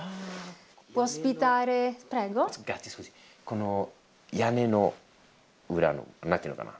この屋根の裏の何ていうのかな